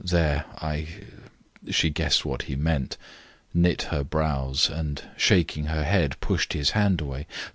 "There, I ..." She guessed what he meant, knit her brows, and shaking her head pushed his hand away.